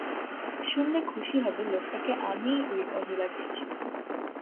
শুনলে খুশি হবে লোকটাকে আমিই ওই কাজে লাগিয়েছিলাম।